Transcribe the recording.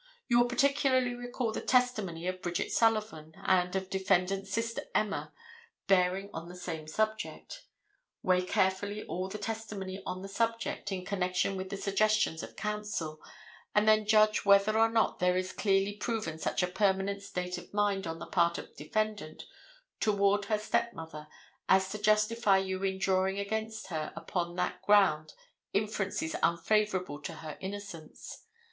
You will particularly recall the testimony of Bridget Sullivan and of defendant's sister Emma bearing on the same subject. Weigh carefully all the testimony on the subject, in connection with the suggestions of counsel, and then judge whether or not there is clearly proved such a permanent state of mind on the part of defendant toward her stepmother as to justify you in drawing against her upon that ground inferences unfavorable to her innocence.